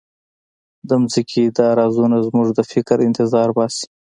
د ځمکې دا رازونه زموږ د فکر انتظار باسي.